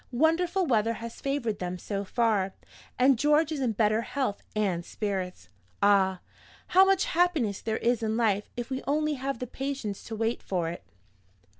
Wonderful weather has favored them so far; and George is in better health and spirits. Ah! how much happiness there is in life if we only have the patience to wait for it.